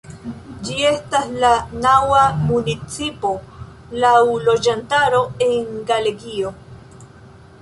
Ĝi estas la naŭa municipo laŭ loĝantaro en Galegio.